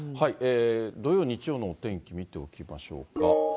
土曜、日曜のお天気、見ておきましょうか。